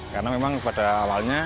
karena memang pada awalnya